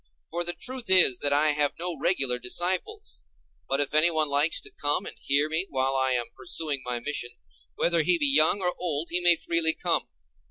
For the truth is that I have no regular disciples: but if anyone likes to come and hear me while I am pursuing my mission, whether he be young or old, he may freely come.